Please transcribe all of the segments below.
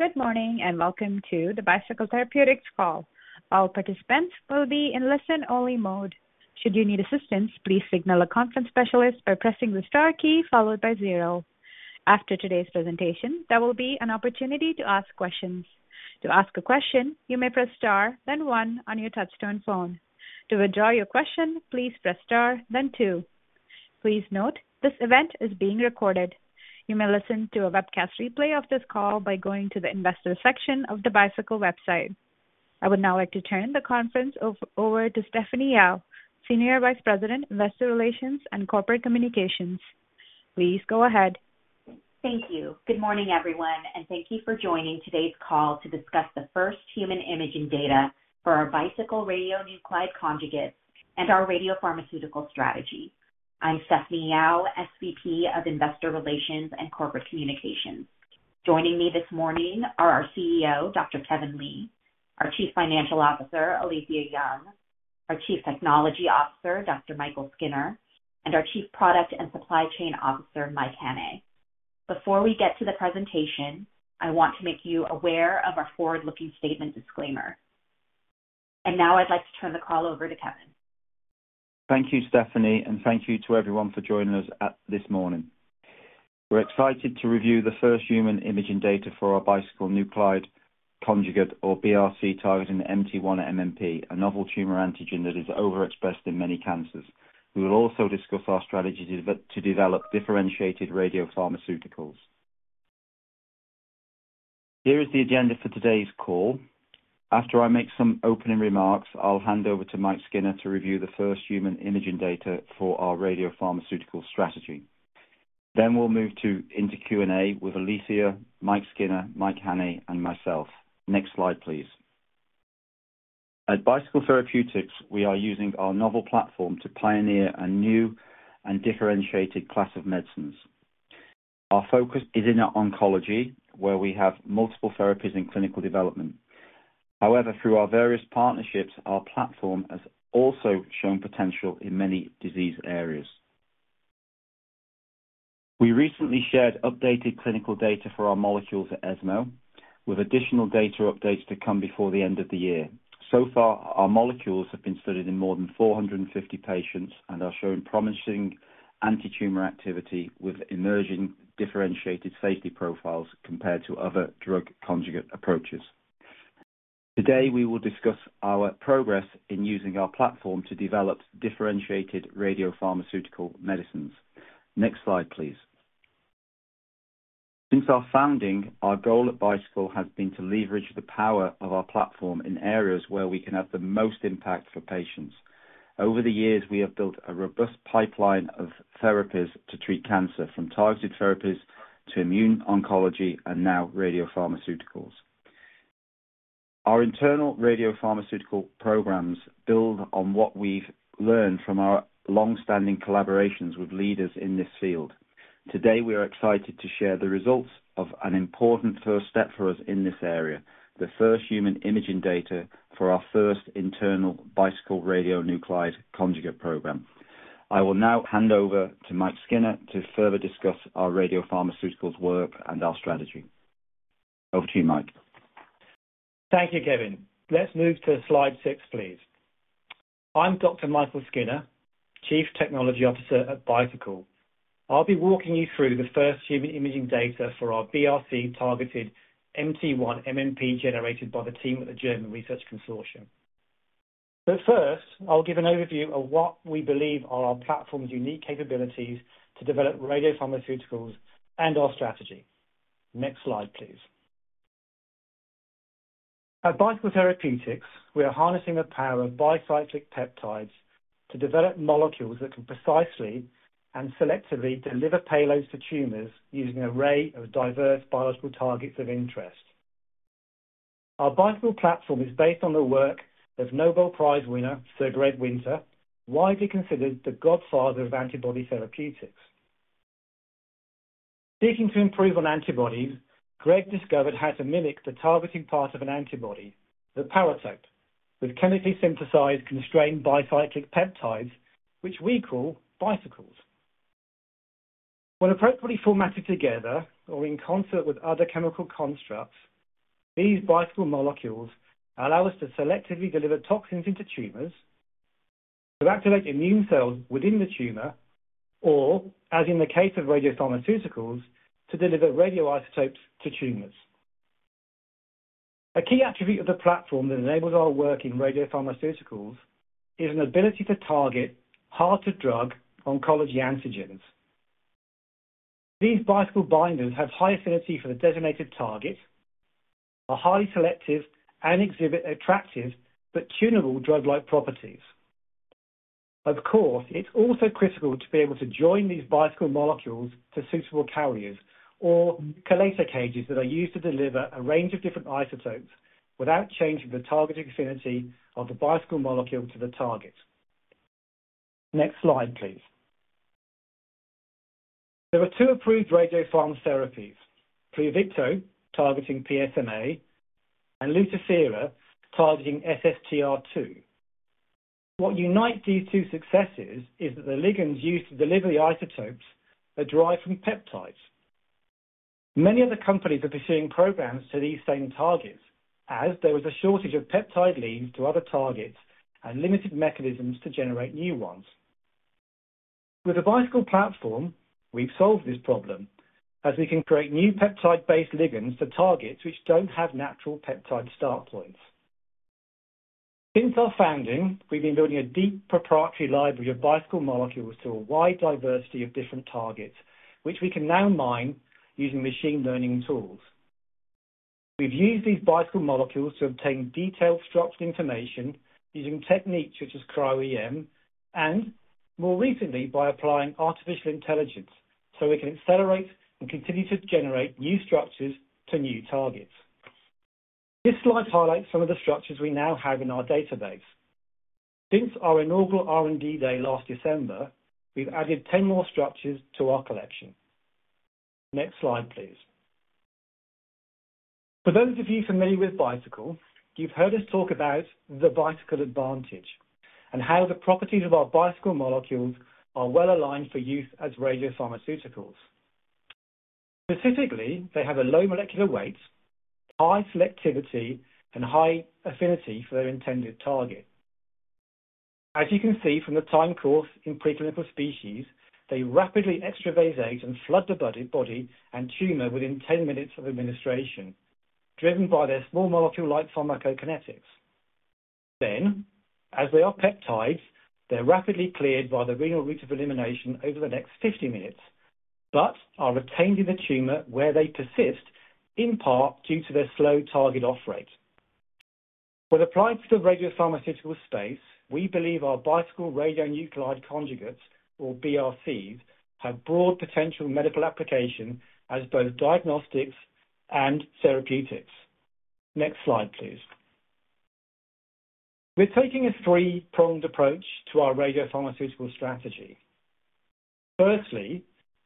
Good morning, and welcome to the Bicycle Therapeutics call. All participants will be in listen-only mode. Should you need assistance, please signal a conference specialist by pressing the star key followed by zero. After today's presentation, there will be an opportunity to ask questions. To ask a question, you may press star, then one on your touchtone phone. To withdraw your question, please press star then two. Please note, this event is being recorded. You may listen to a webcast replay of this call by going to the Investors section of the Bicycle website. I would now like to turn the conference over to Stephanie Yao, Senior Vice President, Investor Relations and Corporate Communications. Please go ahead. Thank you. Good morning, everyone, and thank you for joining today's call to discuss the first human imaging data for our Bicycle Radionuclide Conjugates and our radiopharmaceutical strategy. I'm Stephanie Yao, SVP of Investor Relations and Corporate Communications. Joining me this morning are our CEO, Dr. Kevin Lee; our Chief Financial Officer, Alethia Young; our Chief Technology Officer, Dr. Michael Skynner, and our Chief Product and Supply Chain Officer, Mike Hannay. Before we get to the presentation, I want to make you aware of our forward-looking statement disclaimer. And now I'd like to turn the call over to Kevin. Thank you, Stephanie, and thank you to everyone for joining us this morning. We're excited to review the first human imaging data for our Bicycle Radionuclide Conjugate or BRC, targeting the MT1-MMP, a novel tumor antigen that is overexpressed in many cancers. We will also discuss our strategy to develop differentiated radiopharmaceuticals. Here is the agenda for today's call. After I make some opening remarks, I'll hand over to Mike Skinner to review the first human imaging data for our radiopharmaceutical strategy. Then we'll move into Q&A with Alethia, Mike Skinner, Mike Hannay, and myself. Next slide, please. At Bicycle Therapeutics, we are using our novel platform to pioneer a new and differentiated class of medicines. Our focus is in oncology, where we have multiple therapies in clinical development. However, through our various partnerships, our platform has also shown potential in many disease areas. We recently shared updated clinical data for our molecules at ESMO, with additional data updates to come before the end of the year. So far, our molecules have been studied in more than 450 patients and are showing promising antitumor activity with emerging differentiated safety profiles compared to other drug conjugate approaches. Today, we will discuss our progress in using our platform to develop differentiated radiopharmaceutical medicines. Next slide, please. Since our founding, our goal at Bicycle has been to leverage the power of our platform in areas where we can have the most impact for patients. Over the years, we have built a robust pipeline of therapies to treat cancer, from targeted therapies to immune oncology and now radiopharmaceuticals. Our internal radiopharmaceutical programs build on what we've learned from our long-standing collaborations with leaders in this field. Today, we are excited to share the results of an important first step for us in this area, the first human imaging data for our first internal Bicycle Radionuclide Conjugate program. I will now hand over to Mike Skinner to further discuss our radiopharmaceuticals work and our strategy. Over to you, Mike. Thank you, Kevin. Let's move to slide six, please. I'm Dr. Michael Skinner, Chief Technology Officer at Bicycle. I'll be walking you through the first human imaging data for our BRC-targeted MT1-MMP, generated by the team at the German Cancer Consortium. But first, I'll give an overview of what we believe are our platform's unique capabilities to develop radiopharmaceuticals and our strategy. Next slide, please. At Bicycle Therapeutics, we are harnessing the power of bicyclic peptides to develop molecules that can precisely and selectively deliver payloads to tumors, using an array of diverse biological targets of interest. Our Bicycle platform is based on the work of Nobel Prize winner, Sir Greg Winter, widely considered the godfather of antibody therapeutics. Seeking to improve on antibodies, Greg discovered how to mimic the targeting part of an antibody, the paratope, with chemically synthesized, constrained, bicyclic peptides, which we call Bicycles. When appropriately formatted together or in concert with other chemical constructs, these Bicycle molecules allow us to selectively deliver toxins into tumors, to activate immune cells within the tumor, or, as in the case of radiopharmaceuticals, to deliver radioisotopes to tumors. A key attribute of the platform that enables our work in radiopharmaceuticals is an ability to target hard-to-drug oncology antigens. These Bicycle binders have high affinity for the designated target, are highly selective and exhibit attractive but tunable drug-like properties. Of course, it's also critical to be able to join these Bicycle molecules to suitable carriers or chelator cages that are used to deliver a range of different isotopes without changing the targeting affinity of the Bicycle molecule to the target. Next slide, please. There are two approved radiopharm therapies, Pluvicto, targeting PSMA, and Lutathera, targeting SSTR2. What unites these two successes is that the ligands used to deliver the isotopes are derived from peptides. Many other companies are pursuing programs to these same targets, as there is a shortage of peptide leads to other targets and limited mechanisms to generate new ones. With the Bicycle platform, we've solved this problem, as we can create new peptide-based ligands for targets which don't have natural peptide start points. Since our founding, we've been building a deep proprietary library of Bicycle molecules to a wide diversity of different targets, which we can now mine using machine learning tools. We've used these Bicycle molecules to obtain detailed structural information using techniques such as Cryo-EM, and more recently, by applying artificial intelligence, so we can accelerate and continue to generate new structures to new targets. This slide highlights some of the structures we now have in our database. Since our inaugural R&D Day last December, we've added 10 more structures to our collection. Next slide, please. For those of you familiar with Bicycle, you've heard us talk about the Bicycle advantage and how the properties of our Bicycle molecules are well-aligned for use as radiopharmaceuticals. Specifically, they have a low molecular weight, high selectivity, and high affinity for their intended target. As you can see from the time course in preclinical species, they rapidly extravasate and flood the body and tumor within 10 minutes of administration, driven by their small molecule-like pharmacokinetics. Then, as they are peptides, they're rapidly cleared by the renal route of elimination over the next 50 minutes, but are retained in the tumor, where they persist, in part due to their slow target off rate. When applied to the radiopharmaceutical space, we believe our Bicycle Radionuclide Conjugates, or BRCs, have broad potential medical application as both diagnostics and therapeutics. Next slide, please. We're taking a three-pronged approach to our radiopharmaceutical strategy. Firstly,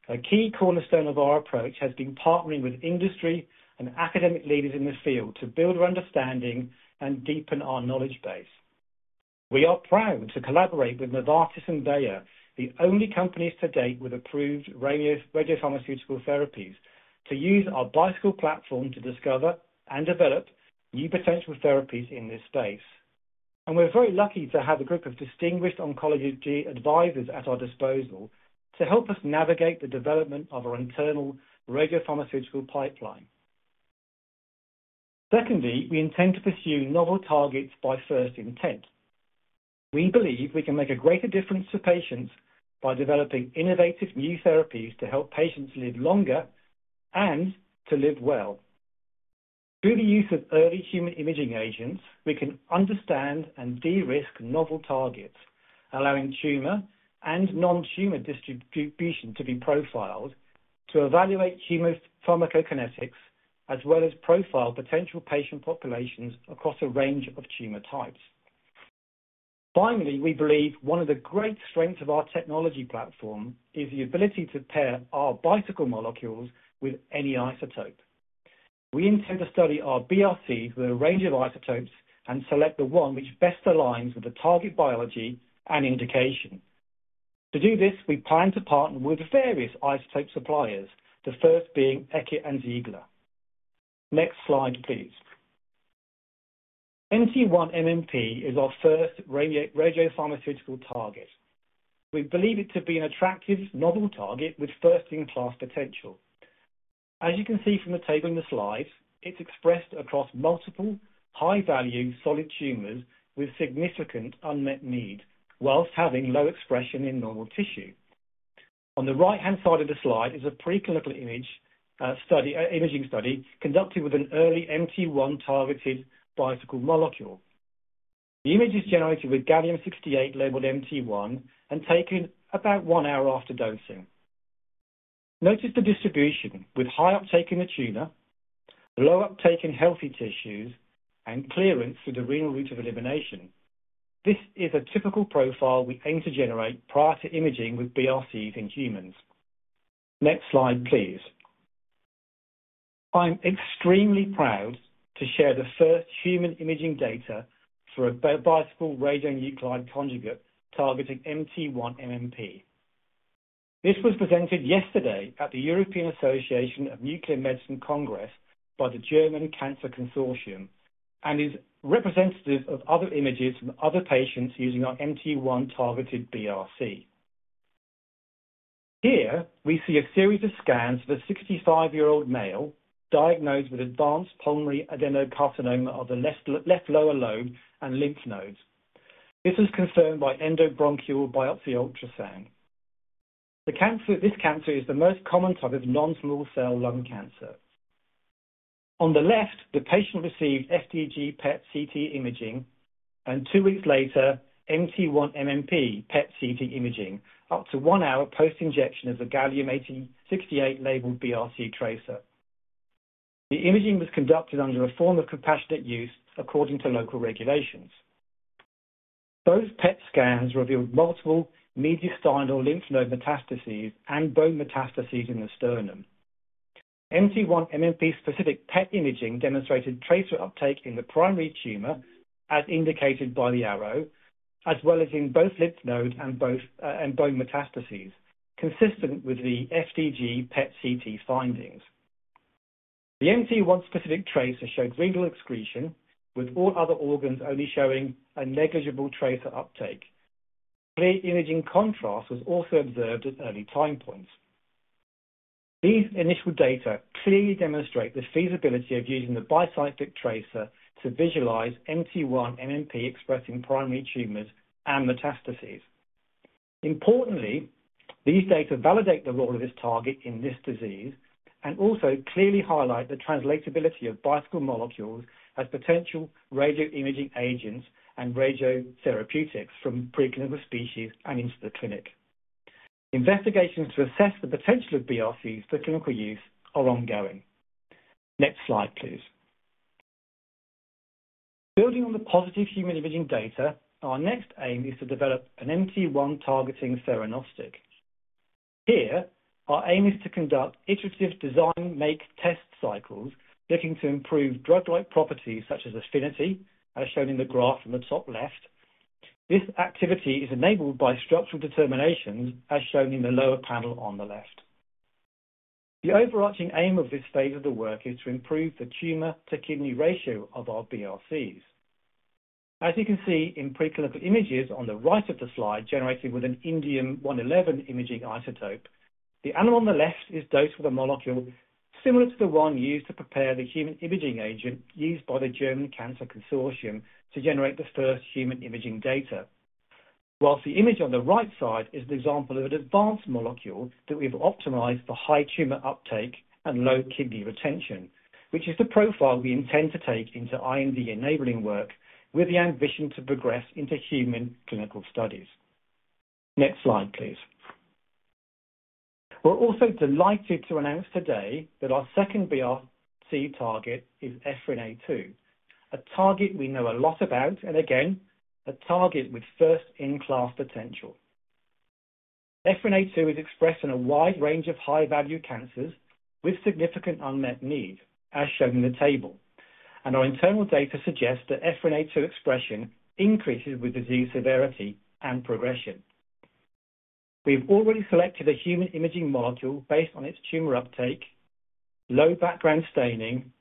a key cornerstone of our approach has been partnering with industry and academic leaders in the field to build our understanding and deepen our knowledge base. We are proud to collaborate with Novartis and Bayer, the only companies to date with approved radiopharmaceutical therapies, to use our Bicycle platform to discover and develop new potential therapies in this space. And we're very lucky to have a group of distinguished oncology advisors at our disposal to help us navigate the development of our internal radiopharmaceutical pipeline. Secondly, we intend to pursue novel targets by first intent. We believe we can make a greater difference to patients by developing innovative new therapies to help patients live longer and to live well. Through the use of early human imaging agents, we can understand and de-risk novel targets, allowing tumor and non-tumor distribution to be profiled to evaluate tumor pharmacokinetics, as well as profile potential patient populations across a range of tumor types. Finally, we believe one of the great strengths of our technology platform is the ability to pair our Bicycle molecules with any isotope. We intend to study our BRC with a range of isotopes and select the one which best aligns with the target biology and indication. To do this, we plan to partner with various isotope suppliers, the first being Eckert & Ziegler. Next slide, please. MT1-MMP is our first radiopharmaceutical target. We believe it to be an attractive novel target with first-in-class potential. As you can see from the table in the slide, it's expressed across multiple high-value solid tumors with significant unmet need, while having low expression in normal tissue. On the right-hand side of the slide is a preclinical imaging study conducted with an early MT1-targeted Bicycle molecule. The image is generated with gallium-68 labeled MT1 and taken about one hour after dosing. Notice the distribution, with high uptake in the tumor, low uptake in healthy tissues, and clearance through the renal route of elimination. This is a typical profile we aim to generate prior to imaging with BRCs in humans. Next slide, please. I'm extremely proud to share the first human imaging data for a Bicycle radionuclide conjugate targeting MT1-MMP. This was presented yesterday at the European Association of Nuclear Medicine Congress by the German Cancer Consortium and is representative of other images from other patients using our MT1 targeted BRC. Here, we see a series of scans of a sixty-five-year-old male, diagnosed with advanced pulmonary adenocarcinoma of the left lower lobe and lymph nodes. This is confirmed by endobronchial biopsy ultrasound. The cancer. This cancer is the most common type of non-small cell lung cancer. On the left, the patient received FDG-PET/CT imaging, and two weeks later, MT1-MMP PET/CT imaging, up to one hour post-injection of the Gallium-68 labeled BRC tracer. The imaging was conducted under a form of compassionate use according to local regulations. Both PET scans revealed multiple mediastinal lymph node metastases and bone metastases in the sternum. MT1-MMP-specific PET imaging demonstrated tracer uptake in the primary tumor, as indicated by the arrow, as well as in both lymph nodes and bone metastases, consistent with the FDG-PET/CT findings. The MT1-specific tracer showed renal excretion, with all other organs only showing a negligible tracer uptake. Great imaging contrast was also observed at early time points. These initial data clearly demonstrate the feasibility of using the bicyclic tracer to visualize MT1-MMP-expressing primary tumors and metastases. Importantly, these data validate the role of this target in this disease and also clearly highlight the translatability of Bicycle molecules as potential radioimaging agents and radiotherapeutics from preclinical species and into the clinic. Investigations to assess the potential of BRCs for clinical use are ongoing. Next slide, please. Building on the positive human imaging data, our next aim is to develop an MT1-targeting theranostic. Here, our aim is to conduct iterative design, make test cycles, looking to improve drug-like properties such as affinity, as shown in the graph on the top left. This activity is enabled by structural determinations, as shown in the lower panel on the left. The overarching aim of this phase of the work is to improve the tumor-to-kidney ratio of our BRCs. As you can see in preclinical images on the right of the slide, generated with an Indium-111 imaging isotope, the animal on the left is dosed with a molecule similar to the one used to prepare the human imaging agent used by the German Cancer Consortium to generate the first human imaging data. While the image on the right side is an example of an advanced molecule that we've optimized for high tumor uptake and low kidney retention, which is the profile we intend to take into IND-enabling work with the ambition to progress into human clinical studies. Next slide, please. We're also delighted to announce today that our second BRC target is Ephrin A2, a target we know a lot about, and again, a target with first-in-class potential. Ephrin A2 is expressed in a wide range of high-value cancers with significant unmet need, as shown in the table, and our internal data suggests that Ephrin A2 expression increases with disease severity and progression. We've already selected a human imaging module based on its tumor uptake, low background staining,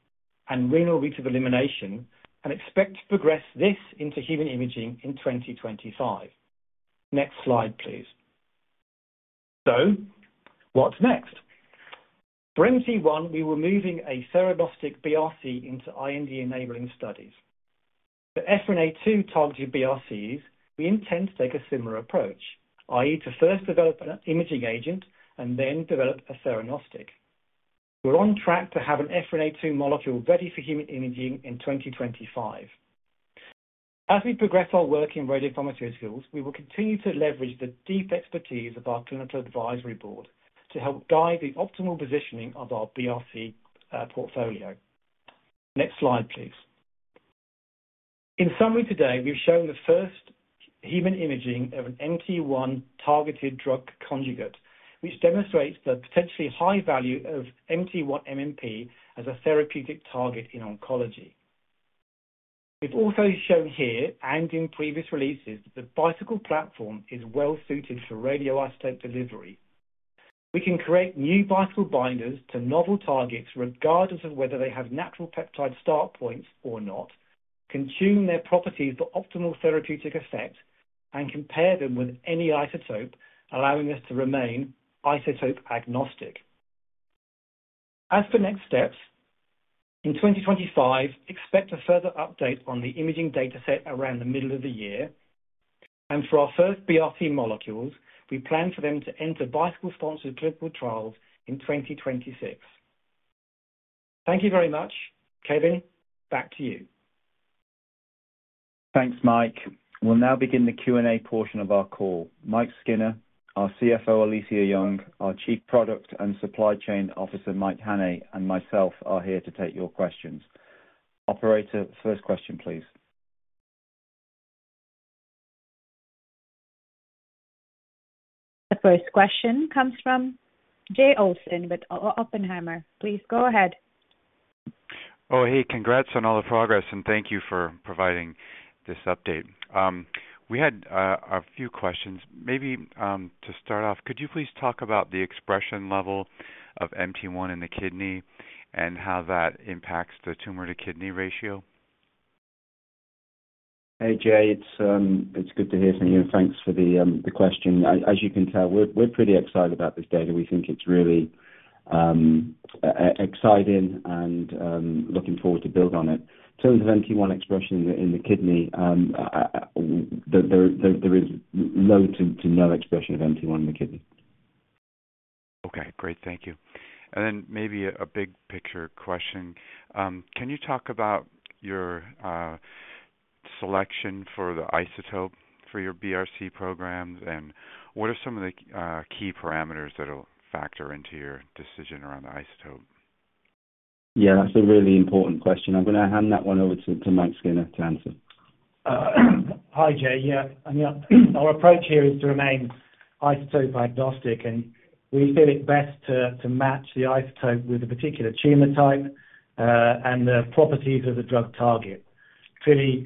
and renal route of elimination, and expect to progress this into human imaging in twenty twenty-five. Next slide, please. So what's next? For MT1, we were moving a theranostic BRC into IND-enabling studies. For ephrin A2-targeting BRCs, we intend to take a similar approach, i.e., to first develop an imaging agent and then develop a theranostic. We're on track to have an ephrin A2 molecule ready for human imaging in twenty twenty-five. As we progress our work in radiopharmaceuticals, we will continue to leverage the deep expertise of our clinical advisory board to help guide the optimal positioning of our BRC portfolio. Next slide, please. In summary, today, we've shown the first human imaging of an MT1-targeted drug conjugate, which demonstrates the potentially high value of MT1-MMP as a therapeutic target in oncology. We've also shown here and in previous releases that the Bicycle platform is well suited for radioisotope delivery. We can create new Bicycle binders to novel targets, regardless of whether they have natural peptide start points or not, tune their properties for optimal therapeutic effect, and compare them with any isotope, allowing us to remain isotope-agnostic. As for next steps, in twenty twenty-five, expect a further update on the imaging data set around the middle of the year, and for our first BRC molecules, we plan for them to enter Bicycle-sponsored clinical trials in twenty twenty-six. Thank you very much. Kevin, back to you. Thanks, Mike. We'll now begin the Q&A portion of our call. Mike Skinner, our CFO, Alethia Young, our Chief Product and Supply Chain Officer, Mike Hannay, and myself are here to take your questions. Operator, first question, please. The first question comes from Jay Olson with Oppenheimer. Please go ahead. Oh, hey, congrats on all the progress, and thank you for providing this update. We had a few questions. Maybe to start off, could you please talk about the expression level of MT1 in the kidney and how that impacts the tumor-to-kidney ratio? Hey, Jay. It's good to hear from you, and thanks for the, the question. As you can tell, we're pretty excited about this data. We think it's really exciting and looking forward to build on it. So with MT1 expression in the kidney, there is low to no expression of MT1 in the kidney. Okay, great. Thank you. And then maybe a big-picture question. Can you talk about your selection for the isotope for your BRC programs, and what are some of the key parameters that will factor into your decision around the isotope? ... Yeah, that's a really important question. I'm gonna hand that one over to Mike Skinner to answer. Hi, Jay. Yeah, I mean, our approach here is to remain isotope agnostic, and we feel it best to match the isotope with a particular tumor type, and the properties of the drug target. Clearly,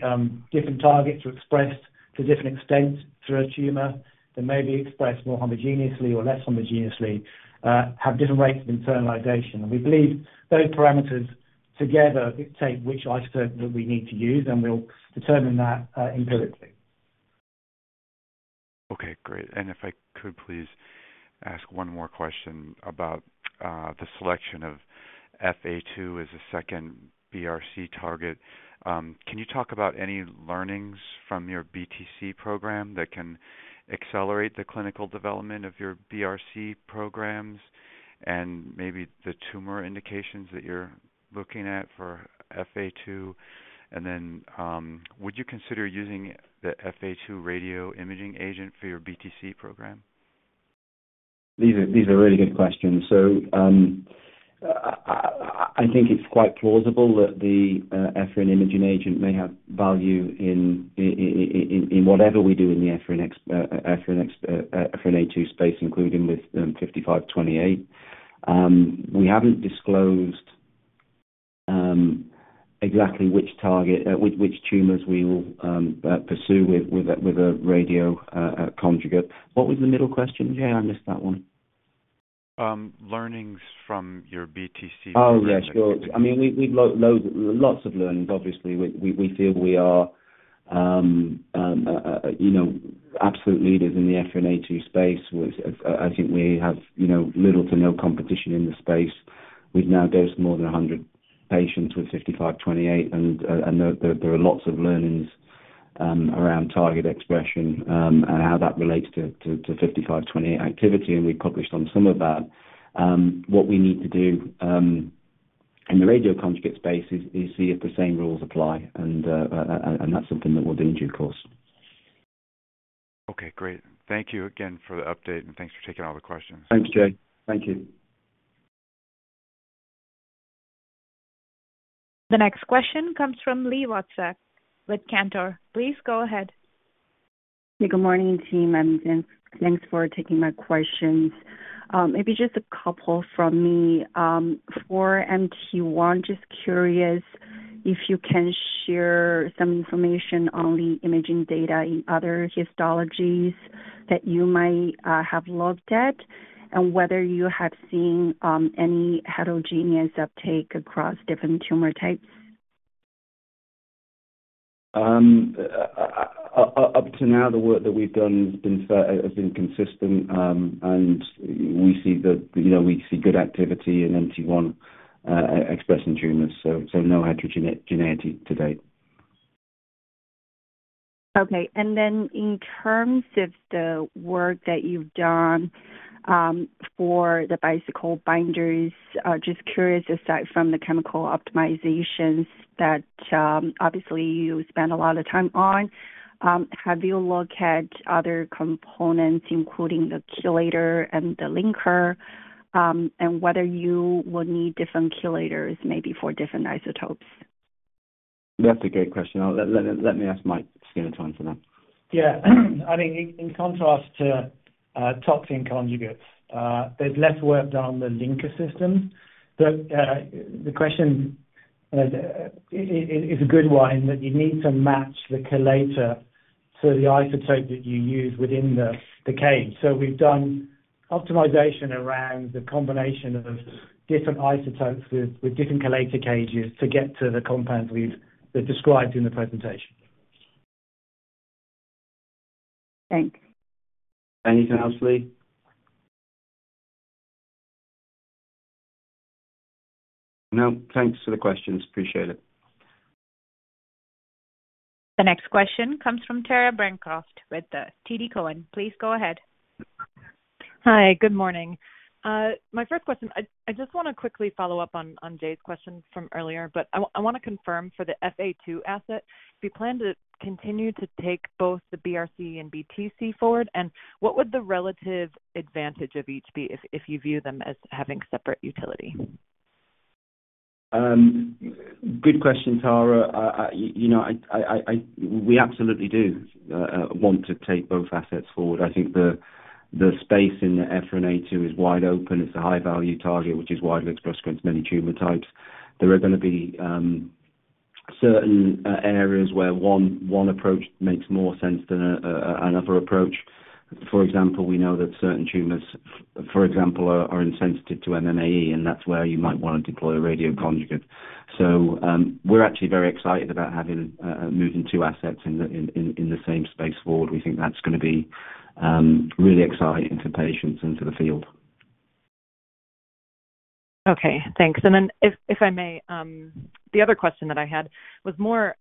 different targets are expressed to different extents through a tumor, that may be expressed more homogeneously or less homogeneously, have different rates of internalization. And we believe those parameters together dictate which isotope that we need to use, and we'll determine that empirically. Okay, great. And if I could please ask one more question about the selection of FAP as a second BRC target. Can you talk about any learnings from your BTC program that can accelerate the clinical development of your BRC programs? And maybe the tumor indications that you're looking at for FAP, and then would you consider using the FAP radio imaging agent for your BTC program? These are really good questions. So, I think it's quite plausible that the EphA2 imaging agent may have value in whatever we do in the EphA2 space, including with 5528. We haven't disclosed exactly which target, which tumors we will pursue with a radionuclide conjugate. What was the middle question, Jay? I missed that one. Learnings from your BTC program? Oh, yeah, sure. I mean, we've lots of learnings. Obviously, we feel we are, you know, absolute leaders in the Ephrin A2 space. I think we have, you know, little to no competition in the space. We've now dosed more than 100 patients with 5528, and there are lots of learnings around target expression, and how that relates to 5528 activity, and we've published on some of that. What we need to do in the radio conjugate space is see if the same rules apply, and that's something that we'll do in due course. Okay, great. Thank you again for the update, and thanks for taking all the questions. Thanks, Jay. Thank you. The next question comes from Li Watsek with Cantor. Please go ahead. Good morning, team, and thanks for taking my questions. Maybe just a couple from me. For MT1, just curious if you can share some information on the imaging data in other histologies that you might have looked at, and whether you have seen any heterogeneous uptake across different tumor types? Up to now, the work that we've done has been consistent, and we see that, you know, we see good activity in MT1 expressing tumors, so no heterogeneity today. Okay, and then in terms of the work that you've done, for the Bicycle binders, just curious, aside from the chemical optimizations that obviously you spend a lot of time on, have you looked at other components, including the chelator and the linker, and whether you would need different chelators, maybe for different isotopes? That's a great question. I'll let Mike Skinner answer that. Yeah. I mean, in contrast to toxin conjugates, there's less work done on the linker system. But the question is a good one, in that you need to match the chelator to the isotope that you use within the cage. So we've done optimization around the combination of different isotopes with different chelator cages to get to the compounds we've described in the presentation. Thanks. Anything else, Li? No, thanks for the questions. Appreciate it. The next question comes from Tara Bancroft with TD Cowen. Please go ahead. Hi. Good morning. My first question, I just want to quickly follow up on Jay's question from earlier, but I want to confirm for the EphA2 asset, do you plan to continue to take both the BRC and BTC forward? And what would the relative advantage of each be if you view them as having separate utility? Good question, Tara. You know, we absolutely do want to take both assets forward. I think the space in the Ephrin A2 is wide open. It's a high-value target, which is widely expressed across many tumor types. There are gonna be certain areas where one approach makes more sense than another approach. For example, we know that certain tumors, for example, are insensitive to MMAE, and that's where you might want to deploy a radio conjugate. So, we're actually very excited about moving two assets in the same space forward. We think that's gonna be really exciting for patients and to the field. Okay, thanks. And then if I may, the other question that I had was more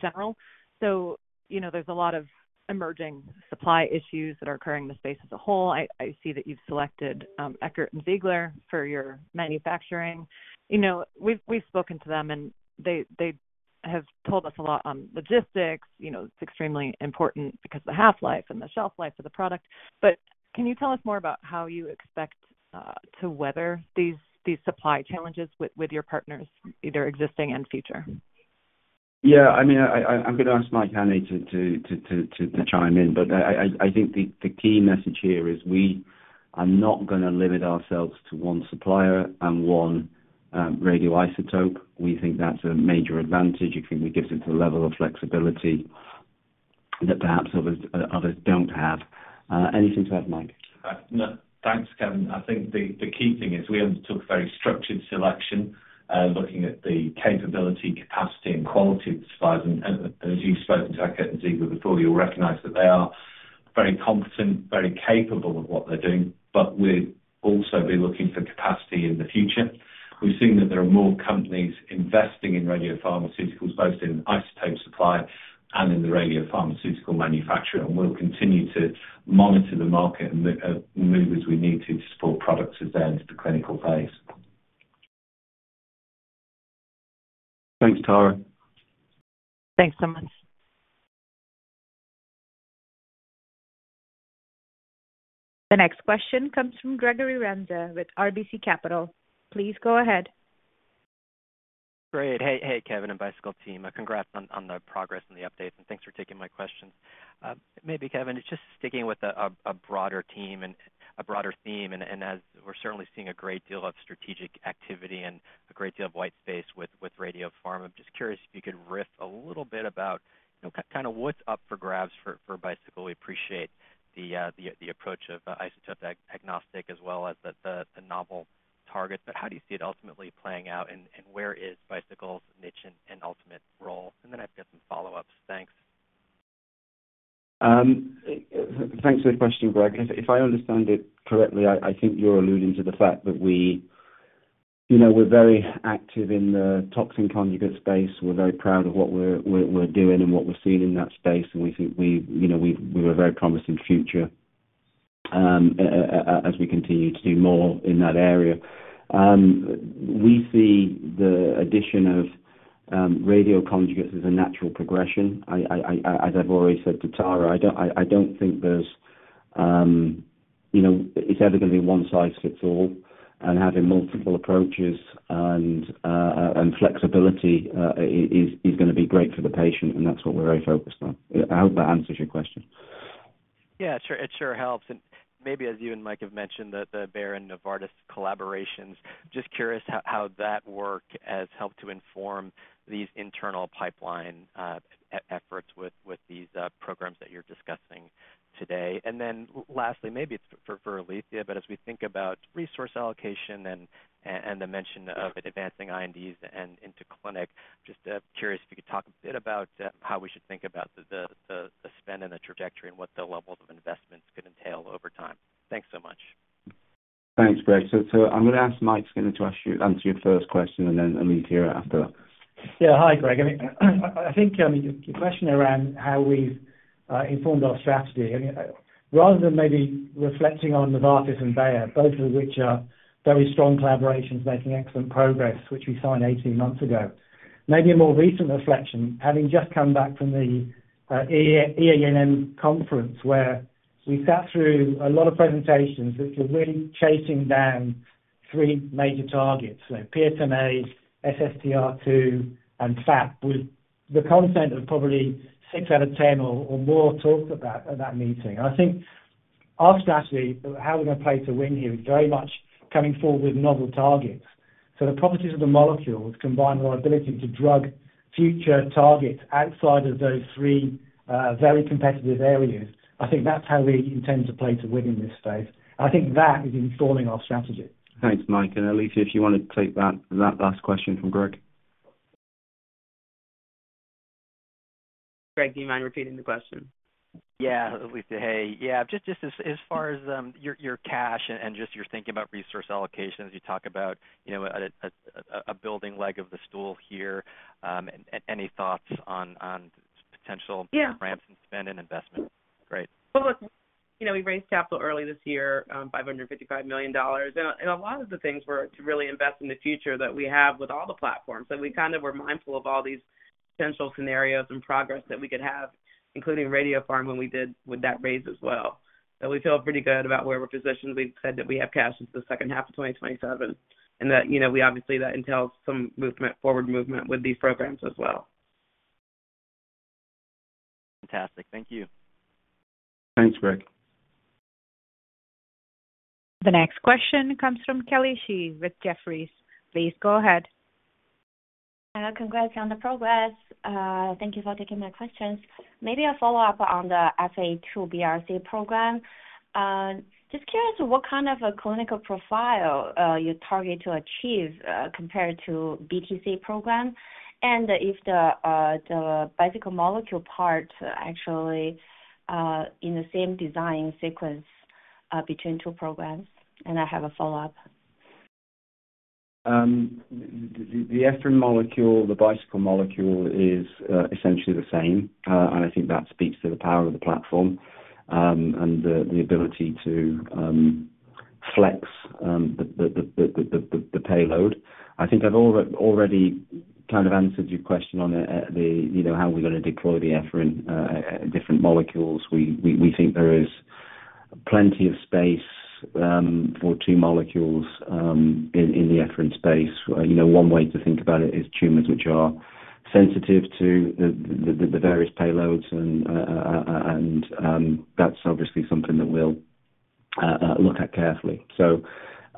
general. So, you know, there's a lot of emerging supply issues that are occurring in the space as a whole. I see that you've selected Eckert & Ziegler for your manufacturing. You know, we've spoken to them, and they have told us a lot on logistics. You know, it's extremely important because the half-life and the shelf life of the product. But can you tell us more about how you expect to weather these supply challenges with your partners, either existing and future? Yeah, I mean, I'm gonna ask Mike Hannay to chime in. But I think the key message here is we are not gonna limit ourselves to one supplier and one radioisotope. We think that's a major advantage. We think it gives us a level of flexibility that perhaps others don't have. Anything to add, Mike? No, thanks, Kevin. I think the key thing is we undertook a very structured selection, looking at the capability, capacity and quality of the suppliers. And as you've spoken to Eckert & Ziegler before, you'll recognize that they are very competent, very capable of what they're doing, but we've also been looking for capacity in the future. We've seen that there are more companies investing in radiopharmaceuticals, both in isotope supply and in the radiopharmaceutical manufacturer. And we'll continue to monitor the market and move as we need to, to support products as they enter the clinical phase. Thanks, Tara. Thanks so much. The next question comes from Gregory Renza with RBC Capital. Please go ahead. Great. Hey, hey, Kevin and Bicycle team, congrats on the progress and the updates, and thanks for taking my questions. Maybe, Kevin, just sticking with a broader team and a broader theme, and as we're certainly seeing a great deal of strategic activity and a great deal of white space with radiopharm, I'm just curious if you could riff a little bit about, you know, kind of what's up for grabs for Bicycle. We appreciate the approach of isotope agnostic as well as the novel target. But how do you see it ultimately playing out, and where is Bicycle's niche and ultimate role? And then I've got some follow-ups. Thanks. Thanks for the question, Greg. If I understand it correctly, I think you're alluding to the fact that we, you know, we're very active in the toxin conjugate space. We're very proud of what we're doing and what we're seeing in that space, and we think we, you know, we have a very promising future, as we continue to do more in that area. We see the addition of radioconjugates as a natural progression. As I've already said to Tara, I don't think there's, you know, it's ever going to be one size fits all, and having multiple approaches and flexibility is gonna be great for the patient, and that's what we're very focused on. I hope that answers your question. Yeah, sure. It sure helps. And maybe as you and Mike have mentioned, the Bayer and Novartis collaborations, just curious how that work has helped to inform these internal pipeline efforts with these programs that you're discussing today. And then lastly, maybe it's for Alethia, but as we think about resource allocation and the mention of advancing INDs and into clinic, just curious if you could talk a bit about how we should think about the spend and the trajectory and what the levels of investments could entail over time. Thanks so much. Thanks, Greg. So, I'm gonna ask Mike to actually answer your first question, and then Alethia after. Yeah. Hi, Greg. I mean, I think, I mean, your question around how we've informed our strategy, I mean, rather than maybe reflecting on Novartis and Bayer, both of which are very strong collaborations making excellent progress, which we signed eighteen months ago. Maybe a more recent reflection, having just come back from the EANM conference, where we sat through a lot of presentations, which were really chasing down three major targets, so PSMA, SSTR2, and FAP, with the content of probably six out of ten or more talks about at that meeting. I think our strategy of how we're going to play to win here is very much coming forward with novel targets. So the properties of the molecules combine with our ability to drug future targets outside of those three very competitive areas. I think that's how we intend to play to win in this space. I think that is informing our strategy. Thanks, Mike, and Alethia, if you want to take that last question from Greg. Greg, do you mind repeating the question? Yeah, Alethia. Hey, yeah, just as far as your cash and just your thinking about resource allocation, as you talk about, you know, a building leg of the stool here, any thoughts on potential ramps and spend and investment? Great. Look, you know, we raised capital early this year, $555 million. And a lot of the things were to really invest in the future that we have with all the platforms. We kind of were mindful of all these potential scenarios and progress that we could have, including radiopharm, when we did with that raise as well. We feel pretty good about where we're positioned. We've said that we have cash until the second half of 2027, and that, you know, we obviously, that entails some movement, forward movement with these programs as well. Fantastic. Thank you. Thanks, Greg. The next question comes from Kelly Shi with Jefferies. Please go ahead. Congrats on the progress. Thank you for taking my questions. Maybe a follow-up on the EphA2 BRC program. Just curious what kind of a clinical profile you target to achieve compared to BTC program? And if the Bicycle molecule part actually in the same design sequence between two programs? And I have a follow-up. The EphA2 molecule, the Bicycle molecule, is essentially the same. I think that speaks to the power of the platform and the ability to flex the payload. I think I've already kind of answered your question on, you know, how we're gonna deploy the Ephrin different molecules. We think there is plenty of space for two molecules in the Ephrin space. You know, one way to think about it is tumors which are sensitive to the various payloads, and that's obviously something that we'll look at carefully. So,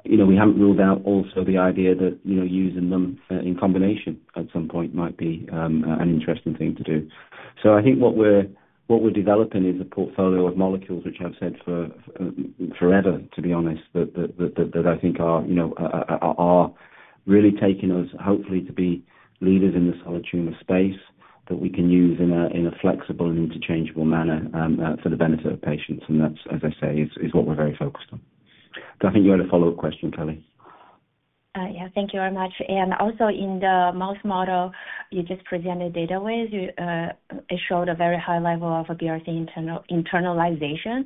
you know, we haven't ruled out also the idea that, you know, using them in combination at some point might be an interesting thing to do. So I think what we're developing is a portfolio of molecules, which I've said for forever, to be honest, that I think are, you know, are really taking us, hopefully, to be leaders in the solid tumor space, that we can use in a flexible and interchangeable manner for the benefit of patients. And that, as I say, is what we're very focused on. So I think you had a follow-up question, Kelly. Yeah, thank you very much. And also, in the mouse model you just presented data with, it showed a very high level of a BRC internalization.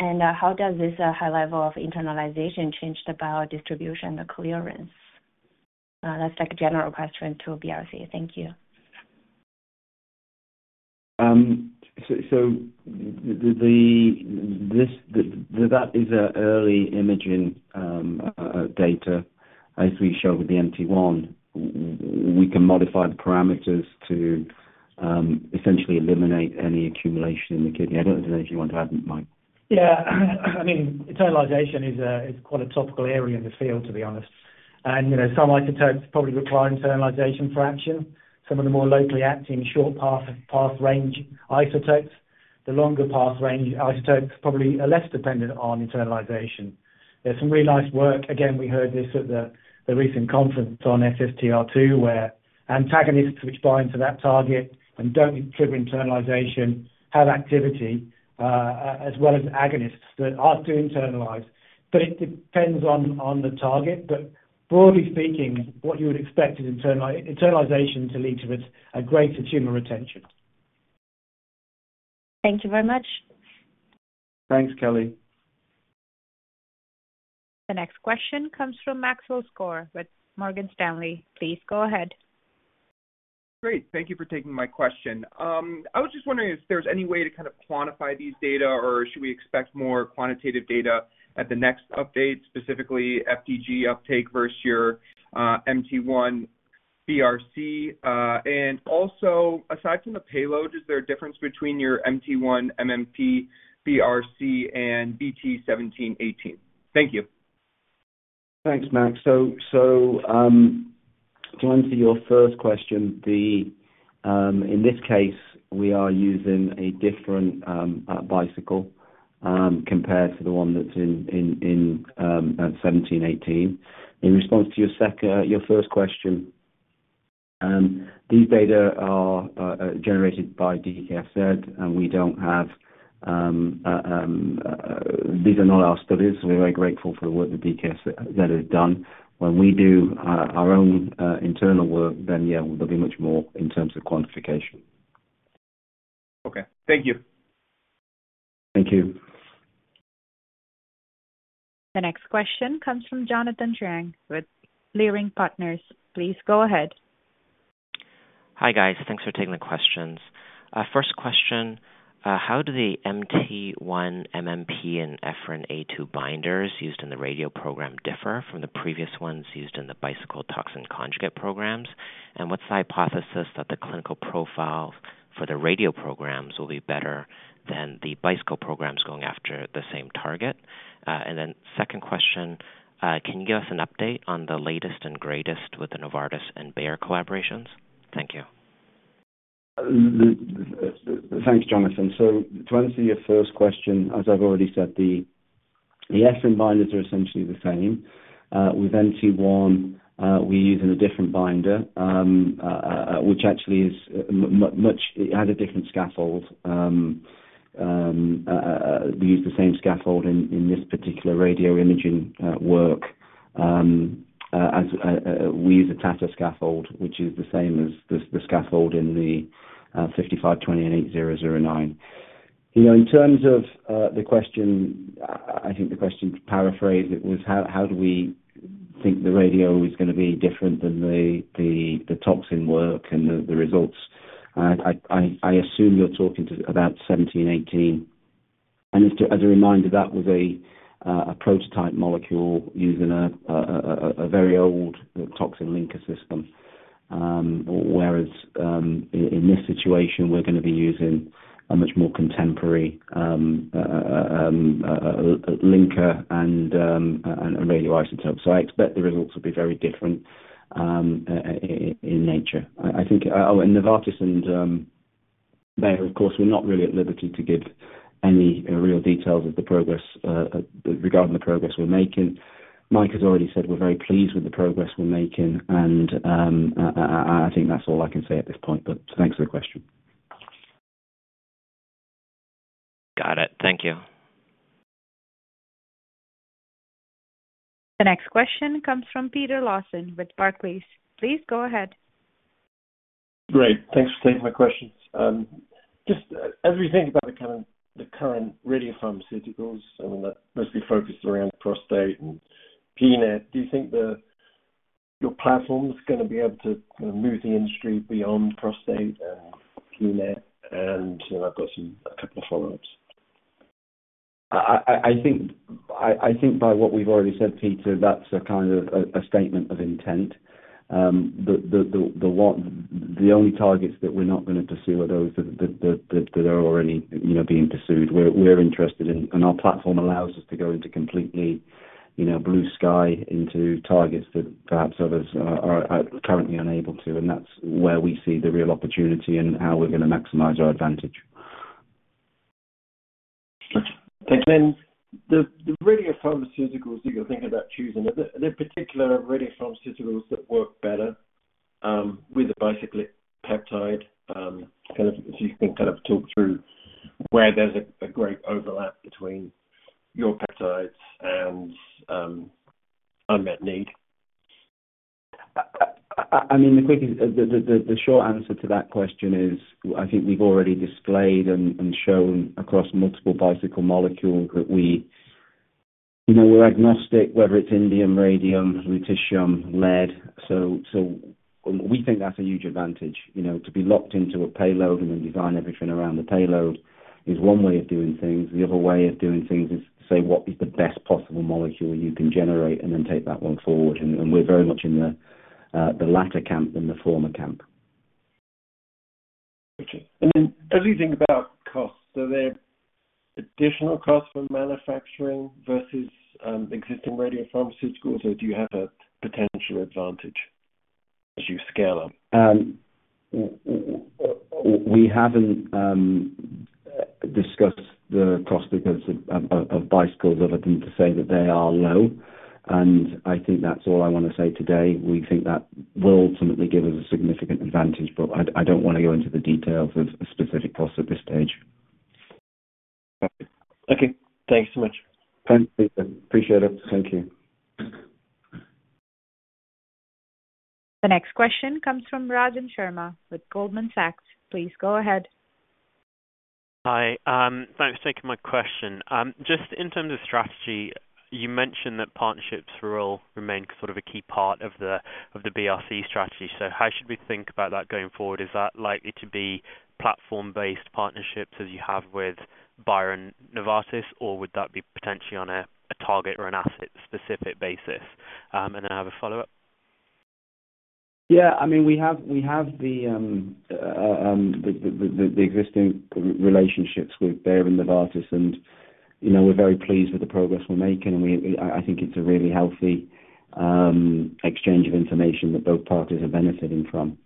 And how does this high level of internalization change the biodistribution, the clearance? That's like a general question to BRC. Thank you. That is early imaging data. As we showed with the MT1, we can modify the parameters to essentially eliminate any accumulation in the kidney. I don't know if you want to add, Mike. Yeah. I mean, internalization is quite a topical area in the field, to be honest. And, you know, some isotopes probably require internalization for action. Some of the more locally acting short path range isotopes. The longer path range isotopes probably are less dependent on internalization. There's some really nice work... Again, we heard this at the recent conference on SSTR2, where antagonists which bind to that target and don't trigger internalization, have activity, as well as agonists that are to internalize. But it depends on the target. But broadly speaking, what you would expect is internalization to lead to a greater tumor retention. Thank you very much. Thanks, Kelly. The next question comes from Maxwell Skor with Morgan Stanley. Please go ahead. Great. Thank you for taking my question. I was just wondering if there's any way to kind of quantify these data, or should we expect more quantitative data at the next update, specifically FDG uptake versus your MT1 BRC? And also, aside from the payload, is there a difference between your MT1-MMP BRC and BT1718? Thank you. Thanks, Max. To answer your first question. In this case, we are using a different Bicycle compared to the one that's in 1718. In response to your second, your first question, these data are generated by DKFZ, and we don't have, these are not our studies. We're very grateful for the work that DKFZ has done. When we do our own internal work, then yeah, there'll be much more in terms of quantification. Okay. Thank you. Thank you. The next question comes from Jonathan Chang with Leerink Partners. Please go ahead. Hi, guys. Thanks for taking the questions. First question, how do the MT1-MMP and EphA2 binders used in the radio program differ from the previous ones used in the Bicycle Toxin Conjugate programs? And what's the hypothesis that the clinical profile for the radio programs will be better than the Bicycle programs going after the same target? And then second question, can you give us an update on the latest and greatest with the Novartis and Bayer collaborations? Thank you. Thanks, Jonathan. To answer your first question, as I've already said, the effector binders are essentially the same. With MT1, we're using a different binder, which actually is much. It had a different scaffold. We use the same scaffold in this particular radio imaging work. As we use a TATA scaffold, which is the same as the scaffold in the 5528 and 8009. You know, in terms of the question, I think the question, to paraphrase it, was how do we think the radio is gonna be different than the toxin work and the results? I assume you're talking about 1718. Just as a reminder, that was a prototype molecule using a very old toxin linker system, whereas in this situation, we're gonna be using a much more contemporary linker and a radioisotope. So I expect the results will be very different in nature. I think, and Novartis and Bayer, of course, we're not really at liberty to give any real details of the progress regarding the progress we're making. Mike has already said we're very pleased with the progress we're making, and I think that's all I can say at this point, but thanks for the question. Got it. Thank you. The next question comes from Peter Lawson with Barclays. Please go ahead.... Great. Thanks for taking my questions. Just as we think about the current radiopharmaceuticals, I mean, that must be focused around prostate and PNET. Do you think that your platform's gonna be able to move the industry beyond prostate and PNET? And then I've got some, a couple of follow-ups. I think by what we've already said, Peter, that's a kind of a statement of intent. The only targets that we're not going to pursue are those that are already, you know, being pursued. We're interested in, and our platform allows us to go into completely, you know, blue sky into targets that perhaps others are currently unable to. And that's where we see the real opportunity and how we're going to maximize our advantage. Got you. And then the radiopharmaceuticals that you're thinking about choosing, are there particular radiopharmaceuticals that work better with a Bicycle peptide? Kind of, if you can kind of talk through where there's a great overlap between your peptides and unmet need. I mean, the quick, the short answer to that question is, I think we've already displayed and shown across multiple Bicycle molecules that we, you know, we're agnostic, whether it's indium, radium, lutetium, lead. So we think that's a huge advantage, you know, to be locked into a payload and then design everything around the payload is one way of doing things. The other way of doing things is say, what is the best possible molecule you can generate and then take that one forward. And we're very much in the latter camp than the former camp. Okay. And then as you think about costs, are there additional costs for manufacturing versus existing radiopharmaceuticals, or do you have a potential advantage as you scale up? We haven't discussed the cost because of Bicycles, other than to say that they are low. I think that's all I want to say today. We think that will ultimately give us a significant advantage, but I don't want to go into the details of specific costs at this stage. Okay. Thank you so much. Thanks, Peter. Appreciate it. Thank you. The next question comes from Rajan Sharma with Goldman Sachs. Please go ahead. Hi. Thanks for taking my question. Just in terms of strategy, you mentioned that partnerships will remain sort of a key part of the BRC strategy. So how should we think about that going forward? Is that likely to be platform-based partnerships as you have with Bayer and Novartis, or would that be potentially on a target or an asset-specific basis? And then I have a follow-up. Yeah, I mean, we have the existing relationships with Bayer and Novartis, and, you know, we're very pleased with the progress we're making. I think it's a really healthy exchange of information that both parties are benefiting from.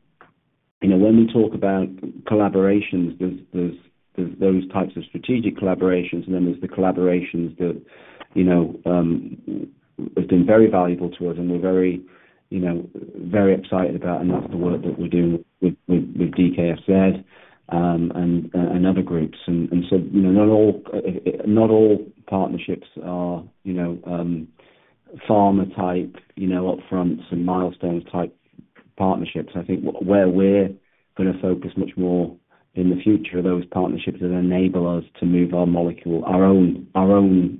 You know, when we talk about collaborations, there's those types of strategic collaborations, and then there's the collaborations that, you know, have been very valuable to us and we're very excited about and that's the work that we do with DKFZ and other groups. And so, you know, not all partnerships are pharma type, you know, upfront and milestones type partnerships. I think where we're gonna focus much more in the future are those partnerships that enable us to move our molecule, our own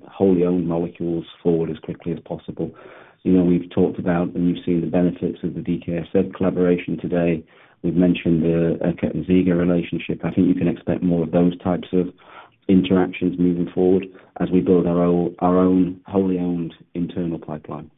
wholly owned molecules forward as quickly as possible. You know, we've talked about and you've seen the benefits of the DKFZ collaboration today. We've mentioned the Kettering relationship. I think you can expect more of those types of interactions moving forward as we build our own wholly owned internal pipeline.